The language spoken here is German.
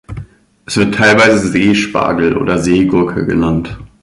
Es wird teilweise Seespargel oder Seegurke genannt.